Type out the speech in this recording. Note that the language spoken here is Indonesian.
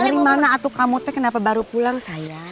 dari mana atuk kamu teh kenapa baru pulang sayang